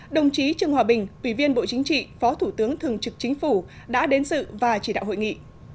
đồng chí trương hòa bình ủy viên bộ chính trị phó thủ tướng thường trực chính phủ đã đến dự và chỉ đạo hội nghị